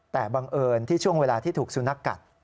แต่บังเอิญที่โบราณที่ถูกสุนักกัด